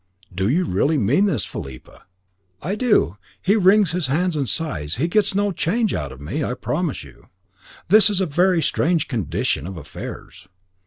"Do you really mean this, Philippa?" "I do. He wrings his hands and sighs. He gets no change out of me, I promise you." "This is a very strange condition of affairs."